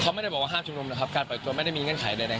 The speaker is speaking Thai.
เขาไม่ได้บอกว่าห้ามชุมนุมนะครับการปล่อยตัวไม่ได้มีเงื่อนไขใด